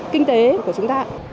kinh tế của chúng ta